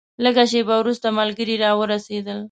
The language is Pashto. لږه شېبه وروسته ملګري راورسېدل.